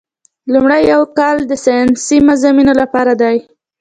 لومړی یو کال د ساینسي مضامینو لپاره دی.